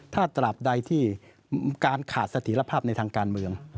ถ้าตราบใดที่การขาดสถิตภาพในทางการเมือง